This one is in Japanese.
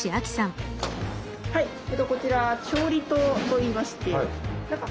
こちらは調理棟といいまして。